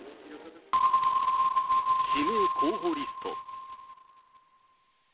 指名候補リスト。